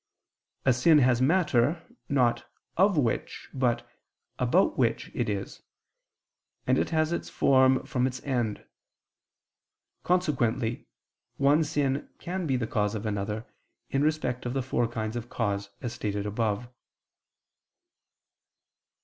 A sin has matter, not of which but about which it is: and it has its form from its end. Consequently one sin can be the cause of another, in respect of the four kinds of cause, as stated above.